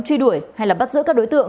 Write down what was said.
truy đuổi hay là bắt giữ các đối tượng